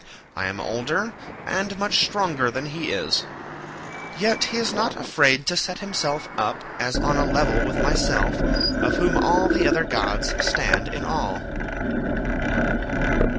I am older and much stronger than he is; yet he is not afraid to set himself up as on a level with myself, of whom all the other gods stand in awe."